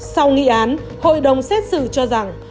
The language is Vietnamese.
sau nghị án hội đồng xét xử cho rằng